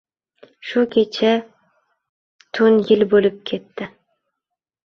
Shu kecha tun yil bo‘lib ketdi